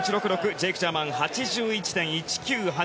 ジェイク・ジャーマン８１．１９８。